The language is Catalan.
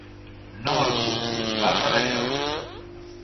No el puc culpar per això.